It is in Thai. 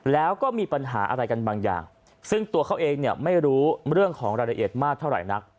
แล้วก็มีปัญหาอะไรกันบางอย่างซึ่งตัวเขาเองเนี่ยไม่รู้เรื่องของรายละเอียดมากเท่าไหร่นัก